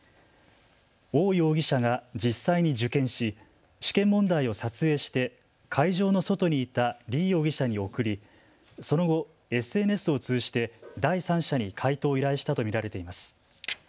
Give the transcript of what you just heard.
王容疑者が実際に受験し試験問題を撮影して会場の外にいた李容疑者に送り、その後、ＳＮＳを通じて第三者に解答を依頼したと見られています。